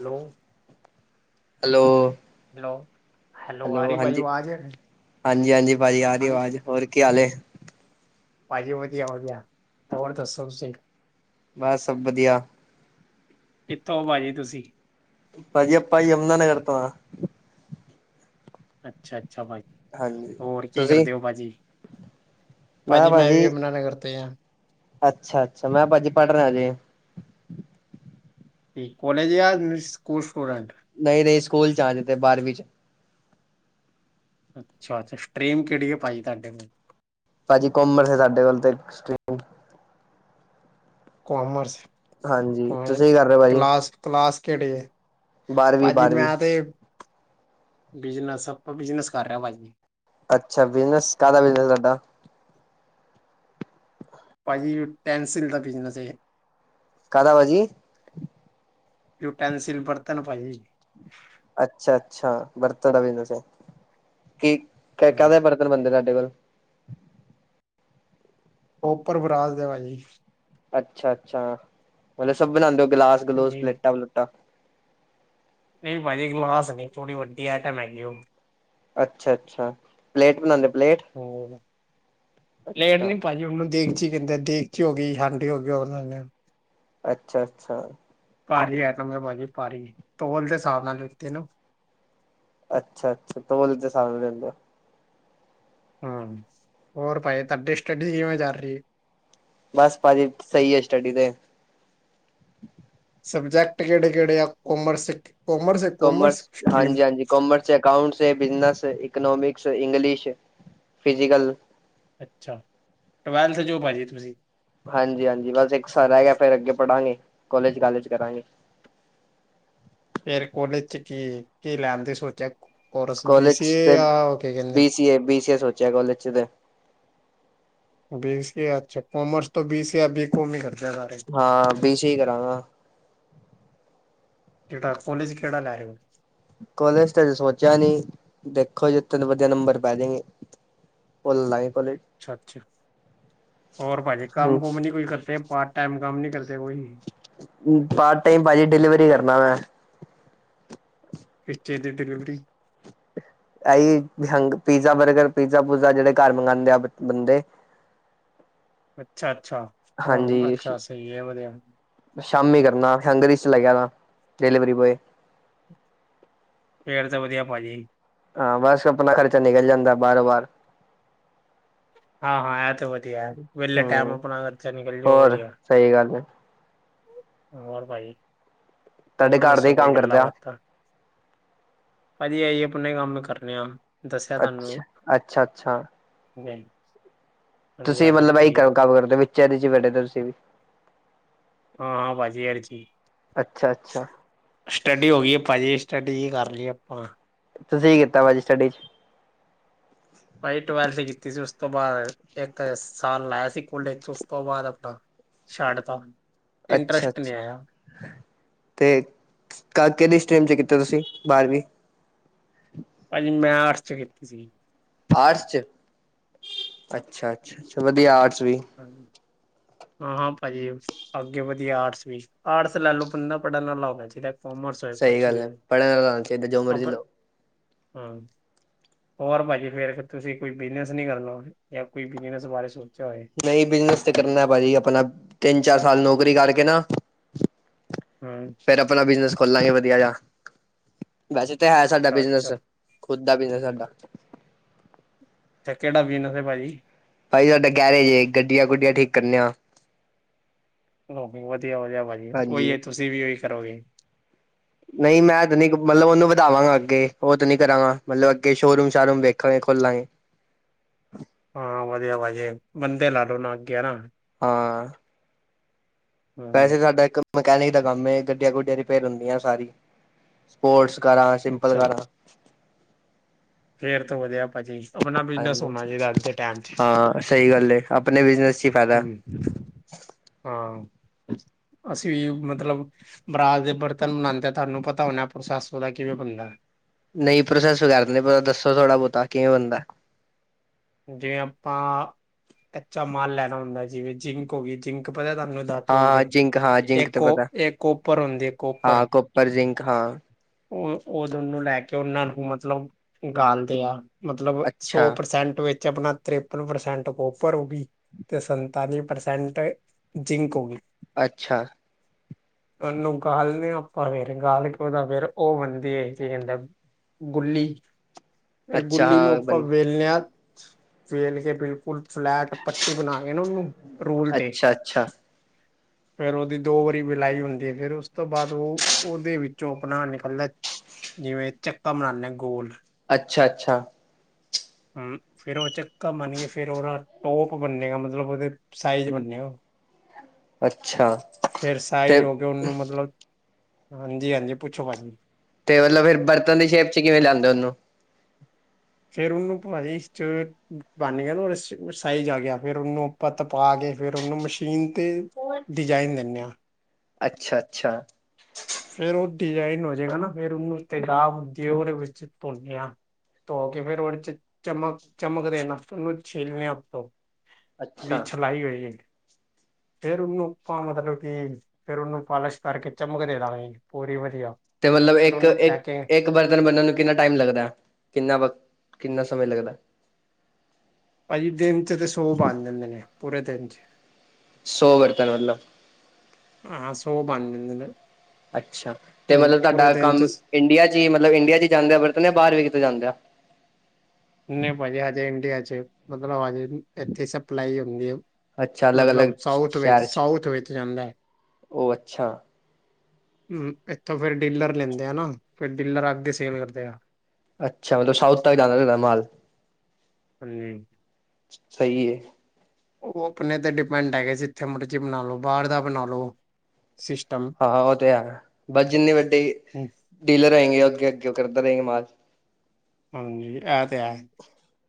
Hello hello hello hello ਹਾਂਜੀ ਹਾਂਜੀ ਹਾਂਜੀ ਭਾਜੀ ਆ ਰਹੀ ਆਵਾਜ਼ ਹੋਰ ਕੀ ਹਾਲ ਏ ਭਾਜੀ ਵਧੀਆ ਵਧੀਆ ਹੋਰ ਦਸੋ ਤੁਸੀ ਬਸ ਸਭ ਵਧੀਆ ਕਿਥੋਂ ਭਾਜੀ ਤੁਸੀਂ ਭਾਜੀ ਆਪਾਂ ਯਮੁਨਾ ਨਗਰ ਤੋਂ ਆਂ ਅੱਛਾ ਅੱਛਾ ਭਾਜੀੀ ਹਾਂਜੀ ਹੋਰ ਕੀ ਤੁਸੀਂ? ਕਰਦੇ ਹੋ ਭਾਜੀ-ਭਾਜੀ ਮੈਂ ਵੀ ਜਮੁਨਾ ਨਗਰ ਤੋਂ ਈ ਆ। ਅੱਛਾ -ਅੱਛਾ ਮੈਂ ਭਾਜੀ ਪੜ ਰਿਹਾ ਆਜੇ। ਕਾਲੇਜ ਜਾਂ ਸਕੂਲ ਸਟੂਡੈਂਟ ਨਹੀਂ -ਨਹੀਂ ਸਕੂਲ 'ਚ ਆ ਅਜੇ ਤਾਂ ਬਾਰਵੀਂ 'ਚ ਅੱਛਾ -ਅੱਛਾ ਸਟਰੀਮ ਕਿਹੜੀ ਏ ਭਾਜੀ ਤੁਹਾਡੇ ਕੋਲ ਭਾਜੀ ਕੋਮਰਸ ਹੈ ਸਾਡੇ ਕੋਲ ਤੇ ਕੋਮਰਸ [unintelligible] ਹਾਂਜੀ ਕੋ ਤੁਸੀਂ ਕੀ [unintelligible] ਕਰ ਰਹੇ ਹੋ ਭਾਜੀ? ਕਲਾਸ ਕਲਾਸ ਕਿਹੜੀ ਹੈ ਬਾਰਵੀਂ, ਭਾਜੀ ਬਾਰਵੀਂ ਮੈਂ ਤੇ [unintelligible] ਬਿਜਨਸ ਆਪਾਂ ਬਿਜਨਸ ਕਰ ਰਹੇ ਆਂ ਭਾਜੀ। ਅੱਛਾ ਬਿਜਨਸ ਕਾਹਦਾ ਬਿਜਨਸ ਤੁਹਾਡਾ ਭਾਜੀ ਟੈਂਸਿਲ ਦਾ ਬਿਜਨਸ ਹੈ। ਕਾਦਾ ਭਾਜੀ। ਯੂਟੈਨਸਿਲ ਬਰਤਨ ਭਾਜੀ ਅੱਛਾ -ਅੱਛਾ ਬਰਤਨ ਦਾ ਬਿਜਨਸ ਹੈ ਕੀ ਹਾਂ, ਕਾਹਦੇ ਬਰਤਨ ਬਣਦੇ ਤੁਹਾਡੇ ਕੋਲ ਕੋਪਰ ਬਰਾਸ ਦੇ ਭਾਜੀ ਅੱਛਾ ਅੱਛਾ ਮਤਲਬ ਸਭ ਬਣਾਉਂਦੇ ਹੋ ਗਲਾਸ ਗਲੂਸ ਭਾਜੀ ਪਲੇਟਾਂ ਪਲੂਟਾਂ ਨਹੀਂ ਭਾਜੀ ਗਲਾਸ ਨਹੀਂ ਥੋੜੀ ਵੱਡੀ ਆਈਟਮ ਹੇਗੀ ਐ ਅੱਛਾ ਅੱਛਾ ਪਲੇਟ ਬਣਾਉਂਦੇ ਪਲੇਟ ਹੋਰ ਅੱਛਾ ਨੀ ਭਾਜੀ ਉਹਨੂੰ ਦੇਗਚੀ ਕਹਿੰਦੇ ਦੇਗਚੀ ਹੋ ਗਈ ਹਾਂਡੀ ਹੋ ਗਈ ਉਹ ਬਣਾਉਦੇ ਅੱਛਾ ਅੱਛਾ ਭਾਰੀ ਐਟਮ ਭਾਜੀ ਭਾਰੀ ਤੋਲ ਦੇ ਹਿਸਾਬ ਨਾਲ ਤੇ [unintelligible] ਅੱਛਾ -ਅੱਛਾ ਤੋਲ ਤੇ ਸਾਬ ਨਾਲ ਦੇਂਦੇ ਓ। ਹੂੰ ਹੋਰ ਭਾਜੀ ਤੁਹਾਡੀ ਸੱਟਡੀ ਕਿਵੇਂ ਚਲ ਰਹੀ ਏ ਬਸ ਭਾਜੀ ਸਹੀ ਹੈ ਸਟੱਡੀ ਤੇ ਸਬਜੈਕਟ ਕਿਹੜੇ -ਕਿਹੜੇ ਆ commerce- commerce -commerce stream commerce accounts ਹੈ ਬਿਜਨਸ ਇਕੋਨੋਮਿਕਸ ਇੰਗਲਿਸ਼ ਫਿਜ਼ਕਲ ਅੱਛਾ ਟਵੈਲਥ ਜੋ ਭਾਅਜੀ ਤੁਸੀਂ ਹਾਂਜੀ- ਹਾਂਜੀ ਬਸ ਇੱਕ ਸ ਰਹਿ ਗਿਆ ਫੇਰ ਅੱਗੇ ਪੜਾਂਗੇ ਕੋਲਜ ਕਾਲਜ ਕਰਾਂਗੇ। ਫੇਰ ਕੋਲੇਜ 'ਚ ਕੀ ਕੀ ਲੈਣਦੇ ਸੋਚਿਆ। ਕੋਰਸ ਬੀ ਸੀ ਕਾਲਜ ਏ ਤੇ ਆ ਉਹ ਕੀ ਕਹਿੰਦੇ ਬੀਸੀਏ -ਬੀਸੀਏ ਸੋਚਿਆ ਕਾਲਜ 'ਚ ਤੇ ਬੀ ਸੀ ਅੱਛਾ ਕਮਰਸ ਤੋਂ ਬੀ ਸੀ ਬੀ ਕੋੌਮ ਹੀ ਕਰਦੇ ਸਾਰੇ ਹਾਂ ਬੀ ਸੀ ਏ ਕਰਾਂਗਾ। ਜੜਾ [unintelligible] ਕੋਲੇਜ ਕਿਹੜਾ ਲੈ ਰਹੇ ਓ ਕੋਲੇਜ ਤੇ ਸੋਚਿਆ ਨੀ ਦੇਖੋ ਜੇ ਤਨ ਵਧੀਆ ਨੰਬਰ ਪੈ ਜਗੇ। [unintelligible] ਅੱਛਾ -ਅੱਛਾ ਹੋਰ ਭਾਜੀ ਕੰਮ ਕੁਮ ਨੀ ਕੋਈ ਕਰਦੇ ਪਾਰਟ ਟਾਈਮ ਕੰਮ ਨੀ ਕਰਦੇ ਕੋਈ ਪਾਰਟ ਟਾਈਮ ਭਾਜੀ ਡਿਲੀਵਰੀ ਕਰਨਾ ਮੈਂ ਕਿਸ ਚੀਜ਼ ਦੀ ਡਿਲੀਵਰੀ ਐਹੀ ਪੀਜ਼ਾ ਬਰਗਰ ਪੀਜ਼ਾ ਪੁਜਾ ਜਿਹੜੇ ਘਰ ਮੰਗਾਂਦੇ ਆ ਬੰਦੇ ਅੱਛਾ ਅੱਛਾ ਹਾਂਜੀ ਅੱਛਾ ਸਹੀ ਹੈ ਵਧੀਆ ਸ਼ਾਮੀ ਕਰਨਾ ਹੈਂਗਰੀ 'ਚ ਲੈਗਿਆ ਨਾ ਡਿਲੀਵਰੀ ਬੋਆਏ ਫੇਰ ਤਾਂ ਵਧੀਆ ਭਾਜੀ। ਹਾਂ ਬਸ ਆਪਣਾ ਖਰਚਾ ਨਿਕਲ ਜਾਂਦਾ ਬਾਰੋ ਬਾਰ ਹਾਂ -ਹਾਂ ਇਹ ਤੇ ਵਧੀਆ ਵਿਹਲੇ ਟਾਈਮ ਹਮ ਆਪਣਾ ਖਰਚਾ ਨਿਕਲ ਜਾਓ ਹੋਰ ਵਧੀਆ ਸਹੀ ਗੱਲ ਏ। ਹੋਰ ਭਾਈ ਤੁਹਾਡੇ ਹੋਰ ਘਰ ਦੇ ਦੱਸੋ ਹੀ ਕੋਈ ਕੰਮ ਕਰਦੇ ਗੱਲਾਂ ਆ ਬਾਤਾਂ ਭਾਜੀ ਅਈ ਆਪਣਾ ਕੰਮ ਕਰਨੇ ਆ ਦੱਸਿਆ ਤੁਹਾਨੂੰ ਅੱਛਾ ਅੱਛਾ ਅੱਛਾ ਹਾਂਜੀ ਤੁਸੀਂ ਹਾਂਜੀ ਮਤਲਬ ਇਹੀ ਭਾਜੀ ਕੰ ਕੰਮ ਕਰਦੇ ਹੋ ਵਿਚ ਚ ਬੈਠੇ ਤੁਸੀਂ ਵੀ ਹਾਂ ਭਾਜੀ ਏਰੇਚੀ ਅੱਛਾ ਅ ਸਟੱਡੀ ਹੋ ਗਈ ਭਾਜੀ ਸਟੱਡੀ ਜ ਕਰ ਲਈ ਆਪਾਂ ਤੁਸੀਂ ਕੀ ਕੀਤਾ ਭਾਜੀ ਸਟੱਡੀ ਚ ਵਾਈ ਟਵੈਲਥ ਕੀਤੀ ਸੀ ਉਸ ਤੋਂ ਬਾਅਦ ਇੱਕ ਤਾਂ ਸਾਲ ਲਾਇ ਸਕੂਲੇ ਤੋਂ ਉਸ ਤੋਂ ਬਾਅਦ ਆਪਣਾ ਛੱਡਤਾ ਅੱਛਾ ਅੱਛਾ। ਤੇ ਕਿਹਦੀ ਸਟਰੀਮ ਚ ਕੀਤਾ ਤੁਸੀਂ ਬਾਰਵੀਂ ਭਾਜੀ ਮੈਂ ਆਰਟਸ ਚ ਕੀਤੀ ਸੀਗੀ ਆਟਸ ਚ ਅੱਛਾ ਅੱਛਾ ਅੱਛਾ ਵਧੀਆ ਆਰਟਸ ਵੀ ਹਾਂ। ਹਾਂ ਹਾਂ ਭਾਜੀ ਅੱਗੇ ਵਧੀਆ ਆਰਟਸ ਵੀ ਆਰਟਸ ਲੈ ਲਓ ਬੰਦਾ ਪੜ੍ਹਨ ਵਾਲਾ ਹੋਣਾ ਚਾਹੀਦਾ ਕੋਮਰਸ ਹੋਏ ਸਹੀ ਕੁਛ ਗੱਲ ਵੀ ਹੈ ਹੋਵੇ। ਪੜ੍ਹਨ ਵਾਲਾ ਹੋਣਾ ਚਾਹੀਦਾ ਜੋ ਮਰਜ਼ੀ ਆਪਾਂ ਲਓ ਹਾਂ ਹੋਰ ਭਾਜੀ ਫੇਰ ਤੁਸੀਂ ਕੋਈ ਬਿਜਨਸ ਨੀ ਕਰ ਲਓਗੇ ਜਾਂ ਕੋਈ ਬਿਜਨਸ ਬਾਰੇ ਸੋਚਿਆ ਹੋਏ ਨਹੀਂ ਬਿਜਨਸ ਤੇ ਕਰਨਾ ਭਾਜੀ ਆਪਣਾ ਤਿੰਨ ਚਾਰ ਸਾਲ ਨੌਕਰੀ ਕਰਕੇ ਨਾ। ਹੂੰ ਫਿਰ ਆਪਣਾ ਬਿਜਨਸ ਖੋਲਾਂਗੇ ਵਧੀਆ ਜਾ ਵੈਸੇ ਤਾਂ ਹੈ ਸਾਡਾ ਅੱਛਾ ਬਿਜਨਸ ਅੱਛਾ ਖੁਦ ਦਾ ਵੀ ਸਾਡਾ ਕਿਹੜਾ ਬਿਜ਼ਨਸ ਭਾਜੀ। ਭਾਜੀ ਸਾਡਾ ਗੈਰਜ ਗੱਡੀਆਂ ਗੁਡੀਆਂ ਠੀਕ ਕਰਨੇ ਆ। ਵਧੀਆ ਵਧੀਆ ਭਾਜੀ ਹਾਂਜੀ ਓਹੀ ਤੁਸੀਂ ਵੀ ਉ ਓਹੀ ਕਰੋਗੇ। ਨਹੀਂ ਮੈਂ ਤਾਂ ਨਹੀਂ ਮਤਲਬ ਉਹਨੂੰ ਵਧਾਵਾਂਗਾ ਅੱਗੇ ਉਹ ਤਾਂ ਨਹੀਂ ਕਰਾਂਗਾ ਮਤਲਬ ਅੱਗੇ ਸ਼ੋਅਰੂਮ ਸ਼ਾਰਰੂਮ ਵੇਖਾਂਗੇ ਖੋਲਾਂਗੇ। ਹਾਂ ਵਧੀਆ ਵਾਜੇ ਬੰਦੇ ਲਾ ਲੋ ਨਾ ਅੱਗੇ ਨਾ ਹਾਂ। ਹਮ ਵੈਸੇ ਸਾਡਾ ਇੱਕ ਮਕੈਨਿਕ ਦਾ ਕੰਮ ਗੱਡੀਆਂ ਗੁੱਡੀਆਂ ਰਿਪੇਅਰ ਹੁੰਦੀਆਂ ਸਾਰੀ ਸਪੋਰਟਸ ਕਾਰਾਂ ਸਿੰਪਲ ਅੱਛਾ ਕਾਰਾਂ ਫੇਰ ਤੋਂ ਵਧਿਆ ਭਾਜੀ ਆਪਣਾ ਬਿਜਨਸ ਹੋਣਾ ਚਾਹੀਦਾ ਅੱਜ ਹਾਂਜੀ ਦੇ ਟਾਈਮ ਚ ਹਾਂ ਸਹੀ ਗੱਲ ਆਪਣੇ ਬਿਜਨਸ ਚ ਹੀ ਫਾਇਦਾ ਹਮ ਹਾਂ ਅਸੀਂ ਮਤਲਬ ਬਰਾਤ ਦੇ ਬਰਤਨ ਮਾਂਜੇ ਤੁਹਾਨੂੰ ਪਤਾ ਹੋਣਾ ਪ੍ਰੋਸੈਸ ਓਦਾ ਕਿਵੇਂ ਬੰਦਾ ਨਹੀਂ ਪ੍ਰੋਸੈਸ ਕਰ ਦੋ ਪਤਾ ਦੱਸੋ ਥੋੜਾ ਬਹੁਤਾ ਕਿਵੇਂ ਹੁੰਦਾ ਜਿਵੇਂ ਆਪਾਂ ਕੱਚਾ ਮਾਲ ਲੈਣਾ ਹੁੰਦਾ ਜਿਵੇਂ ਜਿੰਕ ਹੋ ਗਈ ਜਿੰਕ ਪਤਾ ਤੁਹਾਨੂੰ ਤਦ ਹਾਂ-ਹਾਂ ਹੁੰਦੀ ਜਿੰਕ ਹਾਂ ਏ ਜਿੰਕ ਤੇ ਕੋਪਰ ਹੁੰਦੀ ਕੋਪਰ ਪਰਰਜਿੰਕ ਹਾਂ ਉਹ ਉਦ ਨੂੰ ਲੈ ਕੇ ਉਹਨਾਂ ਨੂੰ ਮਤਲਬ ਗਾਲਦੇ ਆ ਮਤਲਬ ਸੌ ਅੱਛਾ। ਪ੍ਰਸੈਂਟ ਵਿੱਚ ਆਪਣਾ ਤ੍ਰਪਨ ਪ੍ਰਸੈਂਟ ਕੋਪਰੂਗੀ ਅਤੇ ਸੰਤਾਲੀਂ ਪ੍ਰਸੈਂਟ ਜਿੰਕ ਹੋ ਗਈ। ਅੱਛਾ। ਨੂੰ ਗੱਲ ਨੇ ਆਪਾਂ ਫੇਰ ਗਾਲ ਕੇ ਓਦਾ ਫੇਰ ਉਹ ਬੰਦੇ ਆ ਕ ਜਾਂਦਾ ਗੁੱਲੀ ਫਿਰ ਗੁੱਲੀ ਨੂੰ ਹਾਂ ਆਪਾਂ ਬੰ ਵੇਲਨਿਆ ਵੇਲ ਕੇ ਬਿਲ ਫੁਲ ਫਲੈਟ ਪੱਟੀ ਬਣਾ ਕੇ ਨਾ ਉਹਨੂੰ ਰੂਲ ਤੇ ਅੱਛਾ-ਅੱਛਾ, ਅੱਛਾ-ਅੱਛਾ। ਫੇਰ ਉਹਦੀ ਦੋ ਵਾਰੀ ਬਿਲਾਈ ਹੁੰਦੀ ਹੈ ਫੇਰ ਉਸ ਤੋਂ ਬਾਅਦ ਉਹ ਉਹਦੇ ਵਿੱਚੋਂ ਆਪਣਾ ਨ ਪਲਾਂ ਜਿਵੇਂ ਚੱਕਾ ਬਨਾਨੇ ਗੋਲ ਅੱਛਾ ਅੱਛਾ। ਹਮ ਫੇਰ ਉਹ ਚੱਕਾ ਬਨਏ ਫੇਰ ਉਹਦਾ ਟੋਪ ਬਨੇਗਾ ਮਤਲਬ ਉਹਦੇ ਸਾਈਜ ਬੰਨੇ ਅੱਛਾ। ਫੇਰ ਤੇ ਸਾਈਜ਼ ਹੋ ਕੇ ਉਹਨੂੰ ਮਤਲਬ ਹਾਂਜੀ ਹਾਂਜੀ ਪੁੱਛੋ ਭਾਜੀ ਤੇ ਮਲਬ ਫਿਰ ਬਰਤਨ ਦੀ ਸ਼ੇਪ ਚ ਕਿਵੇਂ ਲਿਆਂਦੇ ਉਹਨੂੰ ਫੇਰ ਉਹਨੂੰ ਭਵਿਸ਼ ਚ ਬਣ ਗਿਆ ਨਾ। ਸਾਈਜ਼ ਆ ਗਿਆ ਫਿਰ ਉਹਨੂੰ ਆਪਾਂ ਤਪਾ ਕੇ, ਫੇਿਰ ਉਹਨੂੰ ਮਸ਼ੀਨ ਤੇ ਡਿਜ਼ਾਈਨ ਦਿੰਨੇ ਆਂ ਅੱਛਾ ਅੱਛਾ। ਫੇਰ ਉਹ ਡਿਜ਼ਾਇਨ ਹੋ ਜੇਗਾ ਨਾ। ਫੇਰ ਉਹਨੂੰ ਤੇਜਾਬ ਤੇ ਉਹਦੇ ਵਿੱਚ ਧੋਨੇ ਆ ਧੋ ਕੇ ਫੇਿਰ ਉਹਦੇ ਚ, ਚਮਕ-ਚਮਕ ਦੇਣਾ, ਉਹਨੂੰ ਛਿਲਨੇ ੳਤੋ ਅੱਛਾ ਦੀ ਛਲਾਈ ਹੋਏਗੀ ਫੇਰ ਉਹਨੂੰ ਪਾਂ ਮਤਲਬ ਕਿ, ਫੇਰ ਉਹਨੂੰ ਪਾਲਿਸ਼ ਕਰਕੇ ਚਮਕ ਦੇ ਦਾਂਗੇ ਪੂਰੀ ਵਧੀਆ ਤੇ ਮਲਬ ਫੇਰ ਇੱਕ ਇੱਕ। ਉਹਨੂੰ ਇਕ ਪੈਕਿੰਗ ਇੱਕ ਬਰਤਨ ਬਣਨ ਨੂੰ ਕਿੰਨਾ ਟਾਈਮ ਲੱਗਦਾ। ਕਿੰਨਾ ਵਕਤ, ਕਿੰਨਾ ਸਮੇਂ ਲੱਗਦਾ? ਪਾਜੀ ਦਿਨ ਚ ਤ ਸੋ ਬਣ ਜਾਂਦੇ ਨੇ। ਪੂਰੇ ਦਿਨ ਚ ਸੌ ਬਰਤਨ ਮਤਲਬ ਹਾਂ ਹਾਂ ਸੌ ਬਣ ਜਾਂਦੇ ਨੇ ਅੱਛਾ। ਤੇ ਹੁਣ ਮਲਬ ਪੂਰੇ ਤੁਹਾਡਾ ਦਿਨ ਕੰਮ ਚ ਇੰਡੀਆ ਚ ਈ ਮਤਲਬ ਇੰਡੀਆ ਚ ਜਾਂਦਾ ਐ ਵਰਤਨਾ ਬਾਹਰ ਵੀ ਕਿਤੇ ਜਾਂਦਾ? ਨਹੀਂ ਭਾਜੀ ਹਜੇ ਇੰਡੀਆ ਚ ਮਤਲਬ ਹਜੇ ਇੱਥੇ ਈ ਸਪਲਾਈ ਹੁੰਦੀ ਆ। ਅੱਛਾ ਅਲੱਗ ਅਲੱਗ ਮਤਲਬ ਸਾਊਥ ਵਿੱਚ ਸਾਊਥ ਵਿੱਚ ਜਾਂਦਾ ਐ ਓ ਅੱਛਾ। ਹਮ ਇੱਥੋਂ ਫੇਰ ਡੀਲਰ ਲੈਂਦੇ ਆ ਨਾ ਫਿਰ ਡੀਲਰ ਅਦੇ ਸੇਲ ਕਰਦੇ ਆ ਅੱਛਾ ਮਲਬ ਸਾਊਥ ਤਕ ਜਾਂਦਾ ਤੁਹਾਡਾ ਮਾਲ ਹਾਂਜੀ ਸਹੀ ਹੈ ਉਹ ਆਪਣੇ ਤੇ ਡਿਪੈਂਡ ਹੈਗੇ ਸ ਜਿੱਥੇ ਮਰਜ਼ੀ ਬਣਾ ਲੋ ਬਾਹਰ ਦਾ ਬਣਾ ਲੋ ਸਿਸਟਮ ਹਾਂ ਉਹ ਤੇ ਹੈ। ਬਸ ਜਿੰਨੀ ਵੱਡੀ ਡੀਲਰ ਹੋਏਗੇ ਅੱਗੇ-ਅੱਗੇ ਉਹ ਕਰਦੇ ਰਹੇਗਾ [unintelligible] ਨਾਲ ਹਾਂਜੀ ਐ ਤੇ ਹੈ।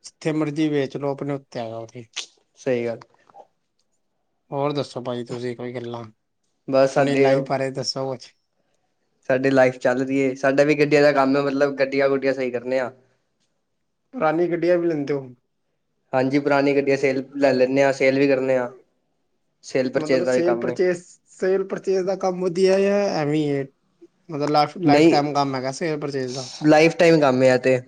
ਜਿੱਥੇ ਮਰਜ਼ੀ ਵੇਚ ਲੋਕ ਆਪਣੇ ਉੱਤੇ ਹੈਗਾ ਉਤੇ ਸਹੀ ਗੱਲ ਹੋਰ ਦੱਸੋ ਭਾਜੀ ਤੁਸੀਂ ਕੋਈ ਗੱਲਾਂ ਬਸ ਆਪਣੀ ਸਾਡੇ ਲਾਈਫ ਬਾਰੇ ਦੱਸੋ ਕੁਛ ਸਾਡੀ ਲਾਈਫ ਚੱਲ ਰਹੀ ਏ। ਸਾਡਾ ਵੀ ਗੱਡੀਆਂ ਦਾ ਕੰਮ ਏ, ਮਤਲਬ ਗੱਡੀਆਂ-ਗੁੱਡੀਆਂ ਸਹੀ ਕਰਨੇ ਆ। ਪੁਰਾਨੀ ਗੱਢੀਆਂ ਵੀ ਲੈਂਦੇ ਹੋ। ਹਾਂਜੀ ਪੁਰਾਣੀ ਗੱਡੀੀਆਂ ਸੇਲ ਲੈ ਲੈਂਨੇ ਹਾਂ, ਸੇਲ ਵੀ ਕਰਨੇ ਹਾਂ। ਸੇਲ ਪਰਚੇਜ ਮਤਲਬ ਦਾ ਵੀ ਸੇਲ ਕੰਮ ਏ ਪਰਚੇਸ ਸੇਲ ਪਰਚੇਸ ਦਾ ਕੰਮ ਵਧੀਆ ਯਾ ਐਵੇਈ ਏ। ਮਤਲਬ ਲਾਸ਼ਟ ਲਾਈਫ ਨਹੀਂ ਟਾਈਮ ਕੰਮ ਹੈਗਾ। ਸੇਲ ਪਰਚੇਜ਼ ਦਾ ਲਾਈਫ ਟਾਈਮ ਕੰਮ ਆ ਏ ਐਤੇ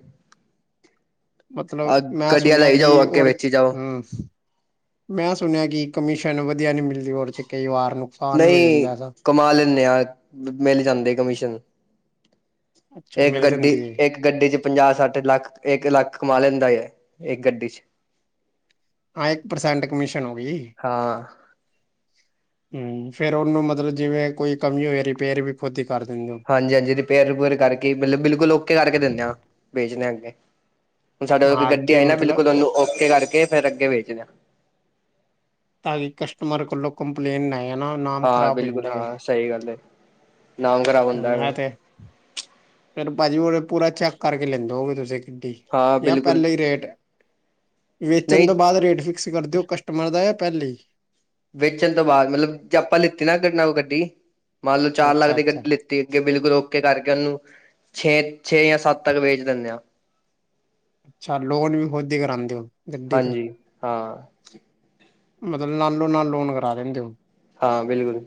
ਮਤਲਬ ਮੈਂ ਗੱਡੀਆਂ ਸੁਣਿਆ ਲਈ ਕਿ ਜਾਓ ਅੱਗੇ ਵੇਚੀ ਜਾਓ [unintelligible] ਹਮ ਮੈਂ ਸੁਣਿਆ ਕਿ ਕਮਿਸ਼ਨ ਵਧੀਆ ਨਹੀਂ ਮਿਲਦੀ ਉਹ ਦੇ ਚ ਕਈ ਵਾਰ ਨੂੰ ਨਹੀਂ, ਕਮਾ ਲੈਂਨੇ ਆਾਂ। ਮਿਲ ਜਾਂਦੇ ਕਮਿਸ਼ਨ ਅੱਛਾ ਇੱਕ ਮਿਲ ਗੱਡੀ ਜਾਂਦੀ ਹੈ ਇੱਕ ਗੱਡੀ ਚ ਪੰਜਾਹ, ਸੱਠ ਲੱਖ ਇੱਕ ਲੱਖ ਕਮਾ ਲੈਂਦਾ ਯ ਇੱਕ ਗੱਡੀ ਚ ਹਾਂ ਇੱਕ ਪਰਸੈਂਟ ਕਮਿਸ਼ਨ ਹੋ ਗੀ ਹਾਂ ਹਮ ਫੇਰ ਉਹਨੂੰ ਮਤਲਬ ਜਿਵੇਂ ਕੋਈ ਕਮੀ ਹੋਵੇ ਰਿਪੇਅਰ ਵੀ ਖੁਦ ਹੀ ਕਰ ਦਿੰਦੇ ਉਹ ਹਾਂਜੀ-ਹਾਂਜੀ ਰਿਪੇਅਰ-ਰਿਪੁਅਰ ਕਰਕੇ ਮਤਲਬ ਬਿਲ ਬਿਲਕੁਲ ਓਕੇ ਕਰਕੇ ਦਿੰਦੇ ਹਾਂ। ਭੇਜਨੇ ਆਂ ਅੱਗੇ ਹੁਣ ਸਾਡੇ ਕੋ ਹਾਂ ਗੱਡੀ ਅੱਗੇ ਆਈ ਨਾ ਮਤਲਬ ਬਿਲਕੁਲ ਉਹਨੂੰ ਔਕੇ ਕਰਕੇ ਫੇਿਰ ਅੱਗੇ ਵੇਚਨਾ ਤਾਕੀ ਕਸਟਮਰ ਕੋੋਂਲੋ ਕੰਪਲੇਂਟ ਨ ਆਏ ਨਾ ਨਾਮ ਹਾਂ ਖਰਾਬ ਹੋ ਬਿਲਕੁਲ ਜਾਂਦਾ ਹੈ ਹਾਂ ਸਹੀ ਗੱਲ ਹੈ। ਨਾਮ ਕਰ ਆ ਤੇ। ਫਿਰ ਭਾਜੀ ਮੇਰੇ ਪੂਰਾ ਚੈੱਕ ਕਰਕੇ ਲੈਂਦੇ ਹੋਗੇ ਤੁਸੀਂ ਗੱਡੀ ਹਾਂ ਯਾਰ ਬਿਲਕੁਲ ਪਹਿਲੇਾਂ ਹੀ ਰੇਟ ਵੇਚਣ ਨਹੀਂ ਤੋਂ ਬਾਅਦ ਰੇਟ ਫਿਕਸ ਕਰ ਦੇ ਕਸਟਮਰ ਦਾ ਯਾ ਪਹਿਲੇਾਂ ਹੀ ਵੇਚਣ ਤੋਂ ਬਾਅਦ ਮਤਲਬ ਜੇ ਆਪਾਂ ਲਿੱਤੀ ਨਾ ਗੱ ਗੱਡੀ। ਮੰਨ ਲਓ ਚਾਰ ਲੱਖ ਅੱਛਾ ਦੀ ਅੱਛਾ ਗੱਡੀ ਲ ਅੱਗੇ ਬਿਲਕੁਲ ਔ ਕੇ ਕਰਕੇ ਉਹਨੂੰ। ਛੇ-ਛੇ ਜਾਂ ਸੱਤ ਤੱਕ ਵੇਚ ਦਿੰਦੇ ਆਾਂ ਅੱਛਾ ਲੋਨ ਵੀ ਖੁਦ ਹੀ ਕਰਾਉਂਦੇ ਹੋ। ਗੱਡੀ ਤੇ ਹਾਂਜੀ ਹਾਂ। ਮਤਲਬ ਨਾਲੋ ਨਾਲ ਲੋਨ ਕਰਾ ਦਿੰਦੇ ਹੋ? ਹਾਂ ਬਿਲਕੁਲ।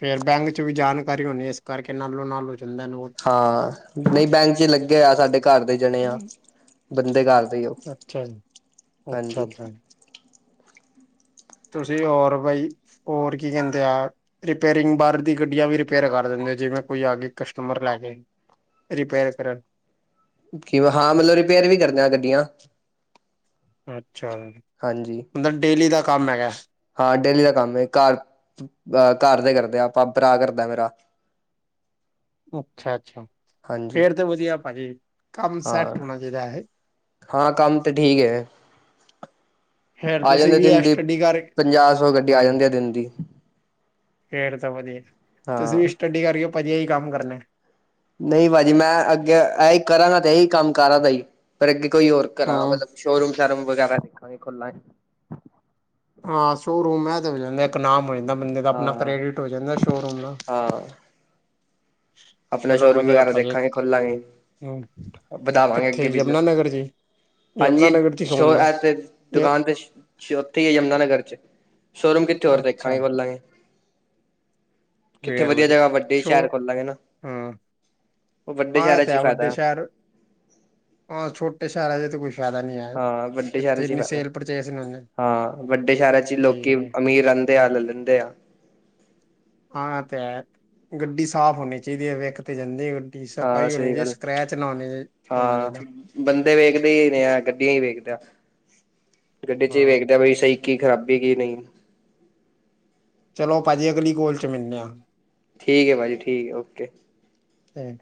ਫਰ ਬੈਂਕ ਚ ਵੀ ਜਾਣਕਾਰੀ ਹੋਣੀ ਇਸ ਕਰਕੇ ਨਾਲੋ ਨਾਲੋਂ ਜਾਂਦਾ ਨੋਟ ਹਾਂ ਨਹੀਂ ਬੈਂਕ ਚ ਲੱਗੇ ਹੋ ਆ ਸਾਡੇ ਘਰ ਦੇ ਜਾਣੇ ਆ ਬੰਦੇ ਘਰ ਦੇ ਹੀ ਉਹ ਅੱਛਾ ਜੀ ਹਾਂਜੀ ਅੱਛਾ। ਤੁਸੀਂ ਹੋਰ ਬਾਈ ਹੋਰ ਕੀ ਕਹਿੰਦੇ ਆ। ਰਿਪੇਅਰਿੰਗ ਬਾਹਰ ਦੀ ਗੱਡੀਆਂ ਵੀ ਰਿਪੇਅਰ ਕਰ ਦਿੰਦੇ ਜਿਵੇਂ ਕੋਈ ਆ ਗ ਕਸਟਮਰ ਲੈ ਕੇ ਰਿਪੇਅਰ ਕਰਨ ਕਿ ਹਾਂ ਮਤਲਬ ਰਿਪੇਅਰ ਵੀ ਕਰਦੇਆਂ ਗੱਡੀਆਂ? ਅੱਛਾ ਜੀ। ਹਾਂਜੀ। ਮਤਲਬ ਡੇਲੀ ਦਾ ਕੰਮ ਹੈਗਾ। ਹਾਂ ਡੇਲੀ ਦਾ ਕੰਮ ਹੈ। ਘਰ ਅ ਘਰ ਦੇ ਕਰਦੇ ਆ ਆਪਾਂ ਭਰਾ ਕਰਦਾ ਮੇਰਾ ਅੱਛਾ-ਅੱਛਾ। ਹਾਂਜੀ ਫੇਰ ਤੇ ਵਧੀਆ ਪਾਜੀ ਕੰਮ ਸੈੱਟ ਹਾਂ ਹੋਣਾ ਚਾਹੀਦਾ ਹੈ ਹਾਂ ਕੰਮ ਤਾਂ ਠੀਕ ਹੈ ਫੇਰ ਆ ਕੁਸੀ ਜਾਂਦੇ ਵੀ ਐ ਦਿਨ ਦੀ ਸਟੱਡੀ ਕਰ। ਪੰਜਾਹ ਸੌ ਗੱਡੀ ਆ ਹਮ ਜਾਂਦੀ ਆ ਦਿਨ ਦੀ ਫੇਰ ਤਾਂ ਵਧੀਆ। ਤੁਸੀਂ ਵੀ ਹਾਂ ਸਟੱਡੀ ਕਰਕੇ ਵਧੀਆ ਹੀ ਕੰਮ ਕਰਨੈ। ਨਹੀਂ ਭਾਜੀ ਮੈਂ ਅੱਗੇ ਇਹੀ ਕਰਾਂਗਾ ਤੇ ਇਹੀ ਕੰਮ ਕਰਾਂ ਤ ਹੀ ਪਰ ਅੱਗੇ ਕੋਈ ਹੋਰ ਕਰਾਂਗਾ ਹਾਂ ਮਤਲਬ ਸ਼ੋਰੂਮ ਸ਼ਾਰਰੂਮ ਵਗੈਰਾ ਦੇਖਾਂਗੇ ਖੁੱਲਾਂਏ। ਹਾਂ ਸ਼ੋਅਰੂਮ ਮ ਤਾਂ ਹੋ ਜਾਂਦਾ ਇੱਕ ਨਾਮ ਹੋ ਜਾਂਦਾ ਬੰਦੇ ਦਾ ਹਾਂ ਆਪਣਾ ਹਾਂ ਕ੍ਰੈਡਿਟ ਹੋ ਜਾਂਦਾ ਸ਼ੋਅਰੂਮ ਦਾ। ਹਾਂ। ਆਪਣਾ ਚਲੋ ਸ਼ੋਰੂਮ ਵਧੀਆ ਵਗੈਰਾ ਭਾਜੀ ਦੇਖਾਂਗੇ ਖੋਲਾਂਗੇ ਵਧਾਵਾਂਗੇ ਕਿੱਥੇ ਅੱਗੇ ਯਮੁਨਾ ਬਿਜਨਸ ਨਗਰ ਜੀ ਯਮੁਨਾ ਹਾਂਜੀ ਨਗਰ ਚ ਸ਼ੋ ਖੋਲਣਾ। ਤੇ ਦੁਕਾਨ ਤੇ ਅਛ ਉੱਥੇ ਹੀ ਯਮੁਨਾ ਨਗਰ ਚ ਸ਼ੋਰੂਮ ਕਿੱਥੇ ਹੋਰ ਅੱਛਾ ਦੇਖਾਂਗੇ ਬੋਲਾਂਗੇ। ਵੇਰ ਵਧ ਸ਼ੋਰ ਖੋਲਾਂਗੇ ਨਾ ਹਮ। ਉਹ ਵੱਡੇ ਸ਼ਹਿਰਾਂ ਚ ਖਾਦਾ। ਸ਼ਹਿਰ ਹਾਂ ਛੋਟੇ ਸ਼ਹਿਰ ਰਾਜੇ ਕੋਈ ਫਾਇਦਾ ਨਹੀਂ ਆ। ਹਾਂ ਵੱਡੇ ਸ਼ਹਿਰਾਂ ਚ ਫ ਹੁੰਦੇ ਹਾਂ ਵੱਡੇ ਸ਼ਹਿਰਾਂ ਚ ਲੋਕੀ ਠੀਕ ਹੈ ਅਮੀਰ ਅੰ [unintelligible] ਹਾਂ ਤੇ ਹੈ ਗੱਡੀ ਸਾਫ਼ ਹੋਣੀ ਚਾਹੀਦੀ ਹੈ ਇੱਕ ਤੇ ਜਾਂਦੇ ਆ ਹਾਂ ਟੀਸਫਾਈ ਹੋਣੀ ਸਹੀ ਜੀ ਗੱਲ ਸਕ੍ਰੈਚ ਨਾ ਹੋਣੀ ਜ ਹੋਣਾ ਚਾਹੀਦਾ। ਹਾਂ ਬੰਦੇ ਵੇਖਦੇ ਹੀ ਨੇ ਆ ਗੱਡੀਆਂ ਹੀ ਵੇਖਦੇ ਆ ਗੱਡੀ ਚ ਹੀ ਹਾਂ ਵੇਖਦੇ ਬ ਸਹੀ ਕੀ ਖਰਾਬੀ ਕੀ ਨਹੀਂ। ਚਲੋ ਭਾਜੀ ਅਗਲੀ ਕੋਲ ਚ ਮਿਲਦੇ ਆ। ਠੀਕ ਹੈ ਭਾਜੀ ਠੀਕ ਹੈ ਓਕੇ। ਸੇਡ